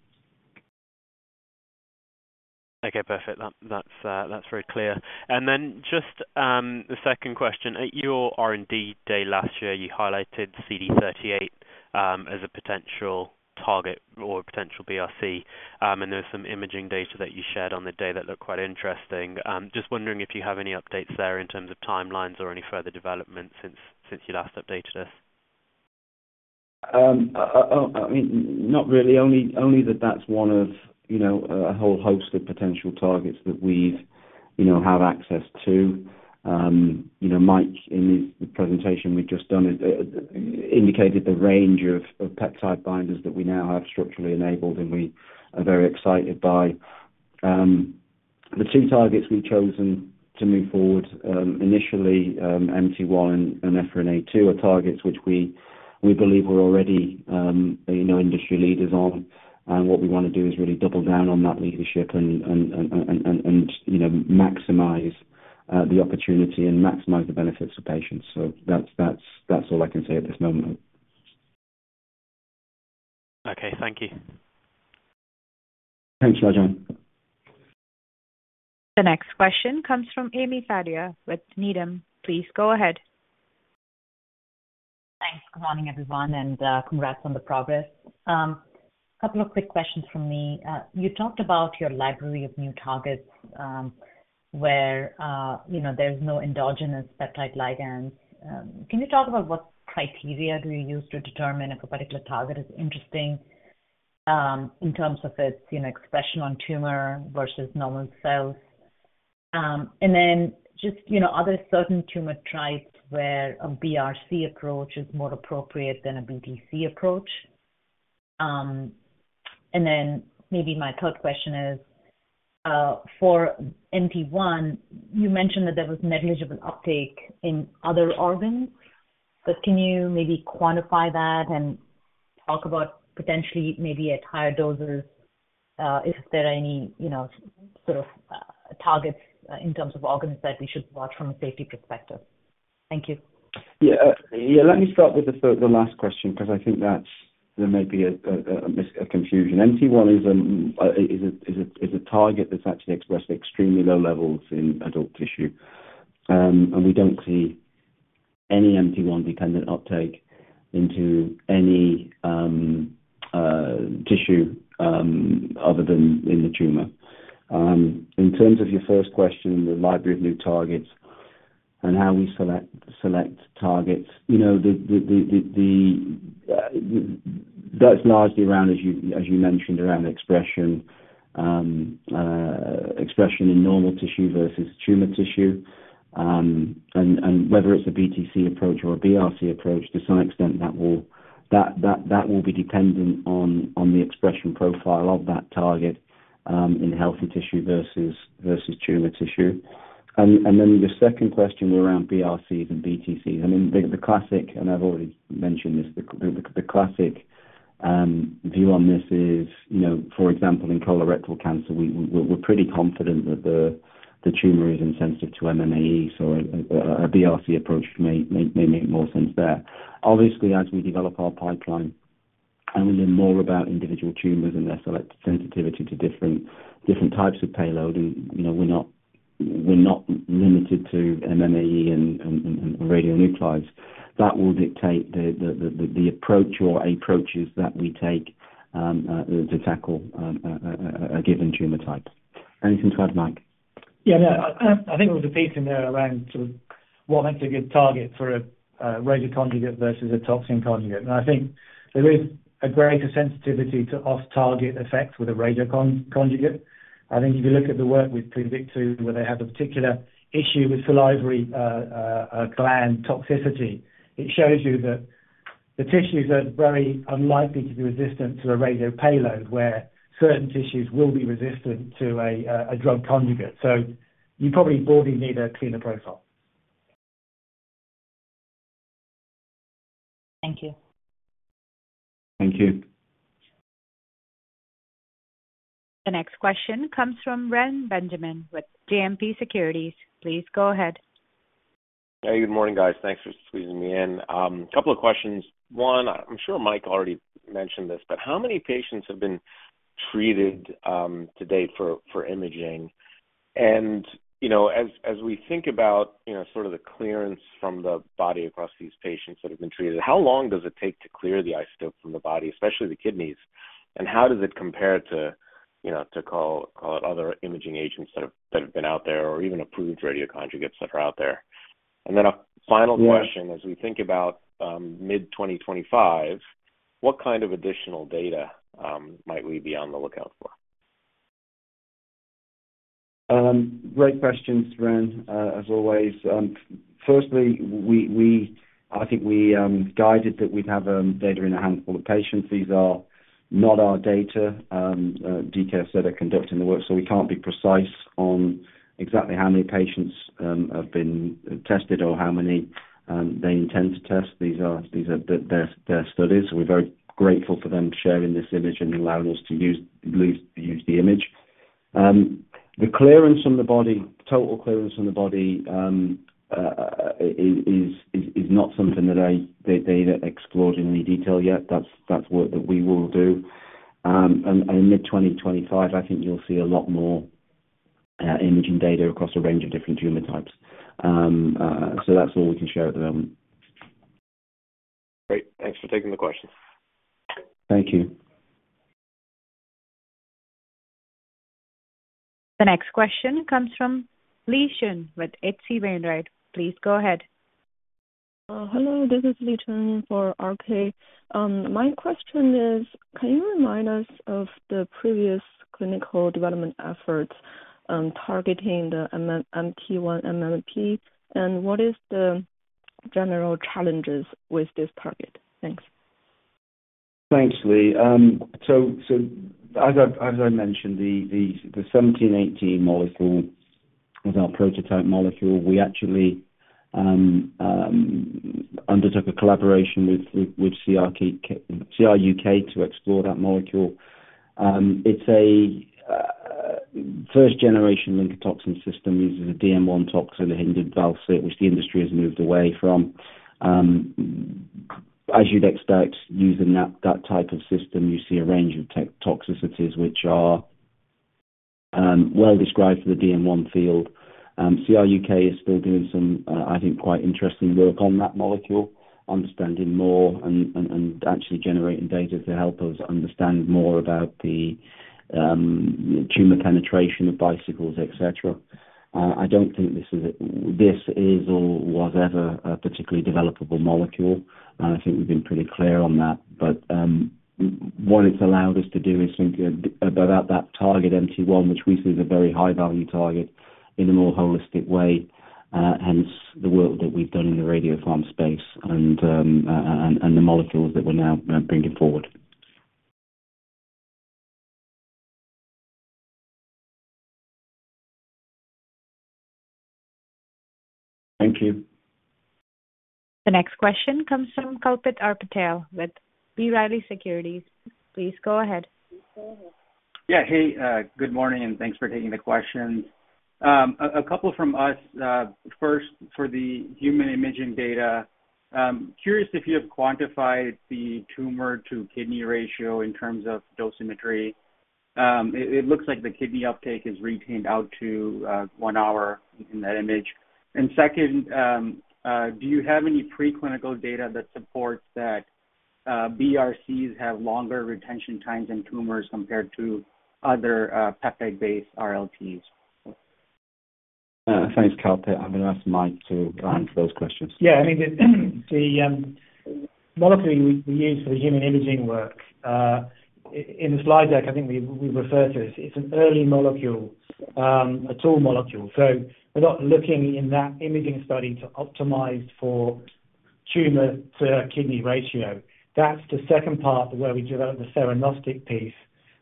Okay, perfect. That's very clear, and then just the second question. At your R&D Day last year, you highlighted CD38 as a potential target or potential BRC, and there was some imaging data that you shared on the day that looked quite interesting. Just wondering if you have any updates there in terms of timelines or any further developments since you last updated us? I mean, not really. Only that that's one of, you know, a whole host of potential targets that we, you know, have access to. You know, Mike, in his presentation we've just done, indicated the range of peptide binders that we now have structurally enabled, and we are very excited by. The two targets we've chosen to move forward, initially, MT1 and Ephrin A2, are targets which we believe we're already, you know, industry leaders on. And what we want to do is really double down on that leadership and, you know, maximize the opportunity and maximize the benefits to patients. So that's all I can say at this moment. Okay, thank you. Thanks, Rajan. The next question comes from Amy Fadia with Needham. Please go ahead. Thanks. Good morning, everyone, and congrats on the progress. A couple of quick questions from me. You talked about your library of new targets, where you know, there's no endogenous peptide ligands. Can you talk about what criteria do you use to determine if a particular target is interesting, in terms of its you know, expression on tumor versus normal cells? And then just you know, are there certain tumor types where a BRC approach is more appropriate than a BTC approach? And then maybe my third question is, for MT1, you mentioned that there was negligible uptake in other organs, but can you maybe quantify that and talk about potentially maybe at higher doses, is there any, you know, sort of, targets, in terms of organs that we should watch from a safety perspective? Thank you. Yeah. Yeah, let me start with the third, the last question, because I think that's, there may be a misconception. MT1 is a target that's actually expressed extremely low levels in adult tissue. And we don't see any MT1-dependent uptake into any tissue other than in the tumor. In terms of your first question, the library of new targets and how we select targets, you know, that's largely around, as you mentioned, around expression in normal tissue versus tumor tissue. And whether it's a BTC approach or a BRC approach, to some extent, that will be dependent on the expression profile of that target in healthy tissue versus tumor tissue. And then the second question around BRCs and BTCs. I mean, the classic view on this is, you know, for example, in colorectal cancer, we're pretty confident that the tumor is insensitive to MMAE, so a BRC approach may make more sense there. Obviously, as we develop our pipeline and we learn more about individual tumors and their select sensitivity to different types of payload, and, you know, we're not limited to MMAE and radionuclides. That will dictate the approach or approaches that we take to tackle a given tumor type. Anything to add, Mike? Yeah, no, I think there was a piece in there around sort of what makes a good target for a radioconjugate versus a toxin conjugate. And I think there is a greater sensitivity to off-target effects with a radioconjugate. I think if you look at the work with Pluvicto, where they have a particular issue with salivary gland toxicity, it shows you that the tissues are very unlikely to be resistant to a radio payload, where certain tissues will be resistant to a drug conjugate. So you probably broadly need a cleaner profile. Thank you. Thank you. The next question comes from Reni Benjamin with JMP Securities. Please go ahead. Hey, good morning, guys. Thanks for squeezing me in. A couple of questions. One, I'm sure Mike already mentioned this, but how many patients have been treated to date for imaging? And, you know, as we think about, you know, sort of the clearance from the body across these patients that have been treated, how long does it take to clear the isotope from the body, especially the kidneys? And how does it compare to, you know, to call it other imaging agents that have been out there, or even approved radioconjugates that are out there? And then a final question, as we think about mid-2025, what kind of additional data might we be on the lookout for? Great questions, Ren, as always. Firstly, we, I think we guided that we'd have data in a handful of patients. These are not our data. DKFZ are conducting the work, so we can't be precise on exactly how many patients have been tested or how many they intend to test. These are their studies. We're very grateful for them sharing this image and allowing us to use the image. The clearance from the body, total clearance from the body, is not something that they explored in any detail yet. That's work that we will do. And mid-2025, I think you'll see a lot more imaging data across a range of different tumor types. So that's all we can share at the moment. Great. Thanks for taking the questions. Thank you. The next question comes from Lee Xun with H.C. Wainwright. Please go ahead. Hello, this is Lee Xun for RK. My question is, can you remind us of the previous clinical development efforts, targeting the MT1-MMP? And what is the general challenges with this target? Thanks. Thanks, Lee. As I mentioned, the 1718 molecule is our prototype molecule. We actually undertook a collaboration with CRUK to explore that molecule. It's a first generation linker toxin system using a DM1 toxin, a hindered val-cit, which the industry has moved away from. As you'd expect, using that type of system, you see a range of toxicities which are well described for the DM1 field. CRUK is still doing some, I think, quite interesting work on that molecule, understanding more and actually generating data to help us understand more about the tumor penetration of Bicycles, et cetera. I don't think this is a... This is or was ever a particularly developable molecule, and I think we've been pretty clear on that. What it's allowed us to do is think about that target, MT1, which we see is a very high-value target in a more holistic way, hence the work that we've done in the radiopharm space and the molecules that we're now bringing forward. Thank you. The next question comes from Kalpit Patel with B. Riley Securities. Please go ahead. Yeah. Hey, good morning, and thanks for taking the questions. A couple from us. First, for the human imaging data, curious if you have quantified the tumor to kidney ratio in terms of dosimetry. It looks like the kidney uptake is retained out to one hour in that image. And second, do you have any preclinical data that supports that BRCs have longer retention times in tumors compared to other peptide-based RLTs? Thanks, Kalpit. I'm gonna ask Mike to answer those questions. Yeah, I mean, the molecule we use for the human imaging work, in the slide deck, I think we refer to it. It's an early molecule, a tool molecule, so we're not looking in that imaging study to optimize for tumor-to-kidney ratio. That's the second part where we develop the theranostic piece,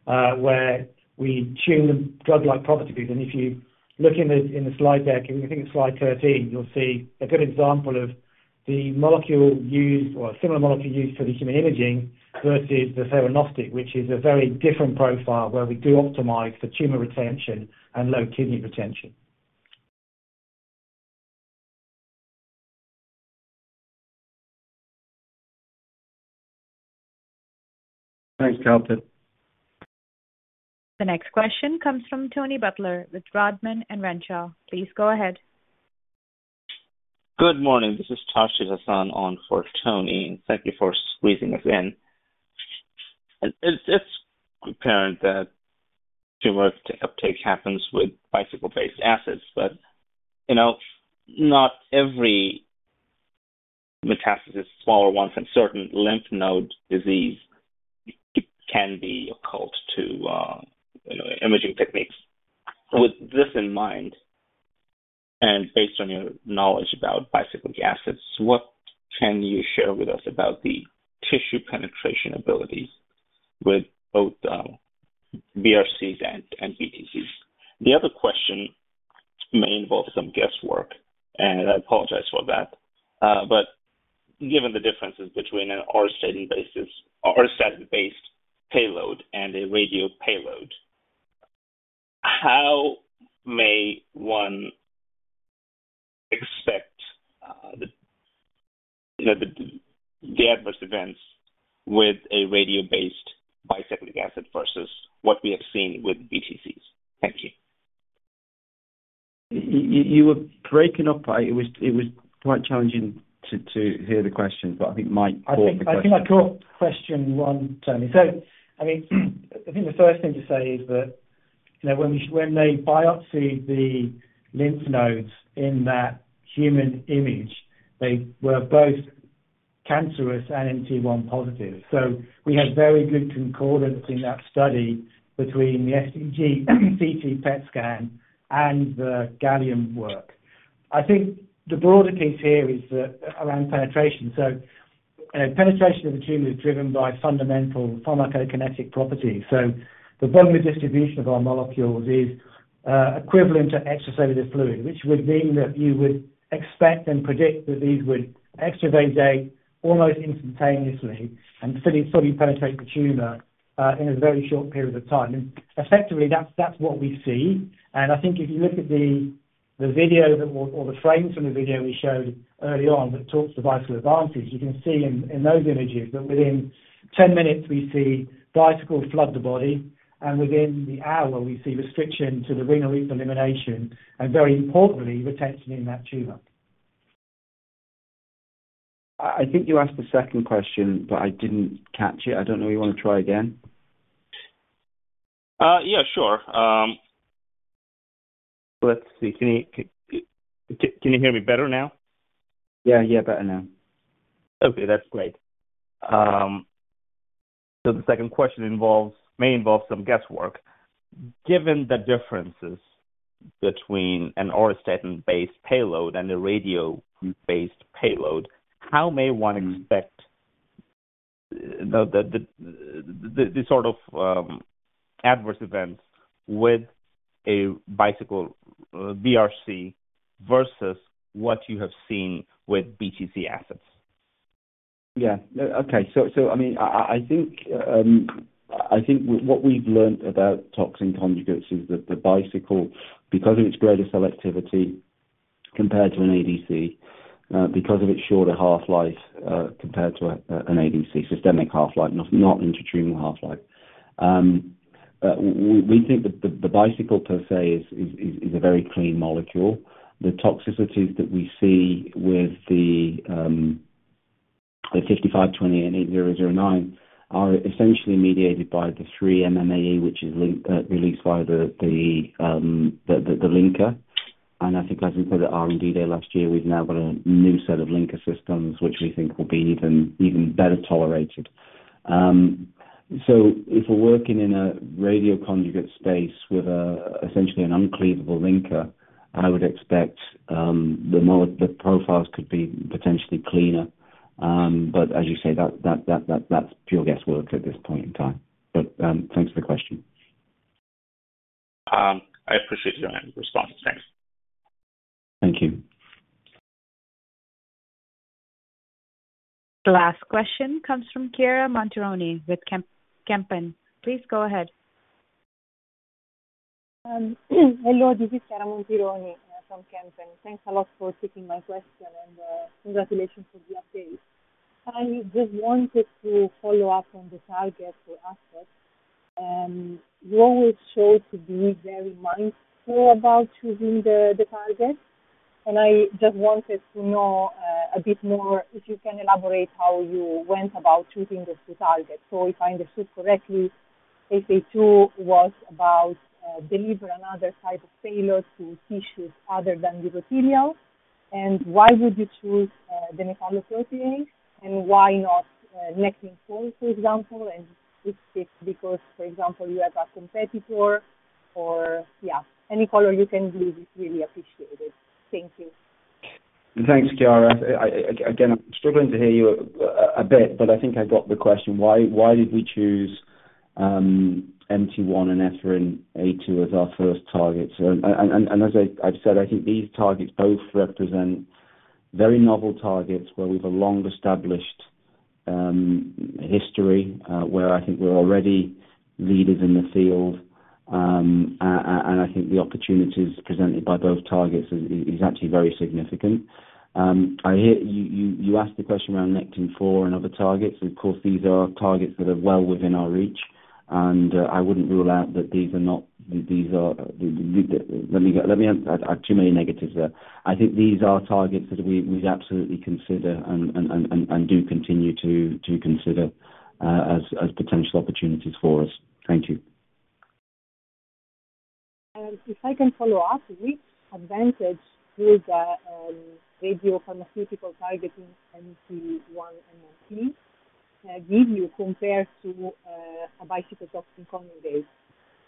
where we tune the drug-like properties, and if you look in the slide deck, I think it's slide 13, you'll see a good example of the molecule used or a similar molecule used for the human imaging versus the theranostic, which is a very different profile, where we do optimize for tumor retention and low kidney retention. Thanks, Kalpit. The next question comes from Tony Butler with Rodman & Renshaw. Please go ahead. Good morning. This is Tausif Hasan on for Tony. Thank you for squeezing us in. It's apparent that tumor uptake happens with Bicycle-based assets, but you know, not every metastasis, smaller ones in certain lymph node disease, can be occult to, you know, imaging techniques. With this in mind, and based on your knowledge about bicyclic peptides, what can you share with us about the tissue penetration abilities with both BRCs and BTCs? The other question may involve some guesswork, and I apologize for that. But given the differences between an auristatin-based payload and a radio payload, how may one expect, you know, the adverse events with a radio-based bicyclic peptide versus what we have seen with BTCs? Thank you. You were breaking up. It was quite challenging to hear the question, but I think Mike caught the question. I think, I think I caught question one, Tony. So, I mean, I think the first thing to say is that, you know, when they biopsy the lymph nodes in that human image, they were both cancerous and MT1 positive. So we had very good concordance in that study between the FDG, CT, PET scan and the gallium work. I think the broader piece here is that, around penetration. So, penetration of the tumor is driven by fundamental pharmacokinetic properties. So the volume of distribution of our molecules is equivalent to extracellular fluid, which would mean that you would expect and predict that these would extravasate almost instantaneously and fully, fully penetrate the tumor in a very short period of time. And effectively, that's, that's what we see. I think if you look at the video that or the frames from the video we showed early on, that talks to Bicycle Advantages, you can see in those images that within ten minutes we see Bicycles flood the body, and within the hour, we see restriction to the renal elimination, and very importantly, retention in that tumor. I think you asked a second question, but I didn't catch it. I don't know if you want to try again? Yeah, sure. Let's see. Can you hear me better now? Yeah, yeah, better now. Okay, that's great. So the second question involves... may involve some guesswork. Given the differences between an auristatin-based payload and a radio-based payload, how may one expect the sort of adverse events with a Bicycle BRC versus what you have seen with BTC assets? Yeah. No, okay. So, I mean, I think what we've learned about toxin conjugates is that the Bicycle, because of its greater selectivity compared to an ADC, because of its shorter half-life compared to an ADC, systemic half-life, not intratumoral half-life. We think that the Bicycle per se is a very clean molecule. The toxicities that we see with BT5528 and BT8009 are essentially mediated by the free MMAE, which is released by the linker. And I think as we put at R&D Day last year, we've now got a new set of linker systems, which we think will be even better tolerated. So if we're working in a radionuclide conjugate space with essentially an uncleavable linker, I would expect the profiles could be potentially cleaner. But as you say, that's pure guesswork at this point in time. But thanks for the question. I appreciate your response. Thanks. Thank you. The last question comes from Chiara Montironi with Kempen. Please go ahead. Hello, this is Chiara Montironi from Kempen. Thanks a lot for taking my question, and congratulations on the update. I just wanted to follow up on the target, EphA2. You always show to be very mindful about choosing the target, and I just wanted to know a bit more if you can elaborate how you went about choosing the two targets. So if I understood correctly, EphA2 was about deliver another type of payload to tissues other than the epithelial. And why would you choose the metalloprotease, and why not Nectin-4, for example, and is it because, for example, you have a competitor or... Yeah, any color you can give is really appreciated. Thank you. Thanks, Chiara. I, again, I'm struggling to hear you a bit, but I think I got the question: Why did we choose MT1 and Ephrin A2 as our first targets? So as I've said, I think these targets both represent very novel targets where we've a long-established history, where I think we're already leaders in the field. And I think the opportunities presented by both targets is actually very significant. I hear you, you asked the question around Nectin-4 and other targets. Of course, these are targets that are well within our reach, and I wouldn't rule out that these are not these are. Let me ask too many negatives there. I think these are targets that we, we'd absolutely consider and do continue to consider as potential opportunities for us. Thank you. If I can follow up, which advantage will the radiopharmaceutical targeting MT1-MMP give you compared to a Bicycle Toxin Conjugate?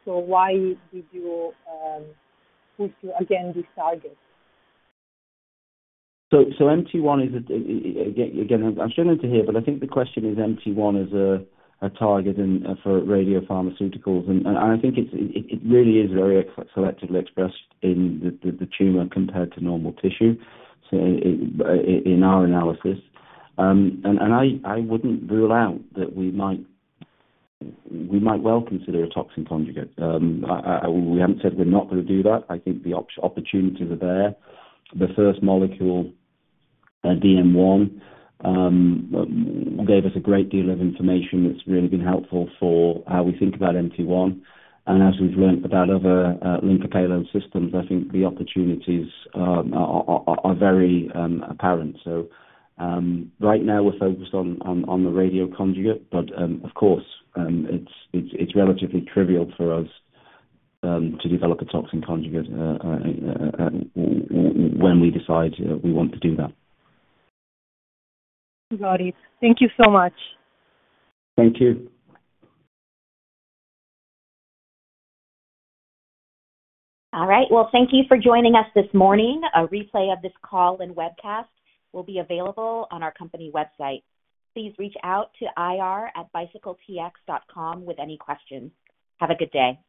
So why did you choose, again, this target? So, I'm struggling to hear, but I think the question is MT1 as a target and for radiopharmaceuticals. It really is very selectively expressed in the tumor compared to normal tissue, in our analysis. I wouldn't rule out that we might well consider a toxin conjugate. We haven't said we're not going to do that. I think the opportunities are there. The first molecule, DM1, gave us a great deal of information that's really been helpful for how we think about MT1. And as we've learned about other linker payload systems, I think the opportunities are very apparent. Right now we're focused on the radioconjugate, but of course it's relatively trivial for us to develop a toxin conjugate when we decide we want to do that. Got it. Thank you so much. Thank you. All right, well, thank you for joining us this morning. A replay of this call and webcast will be available on our company website. Please reach out to ir@bicycletx.com with any questions. Have a good day.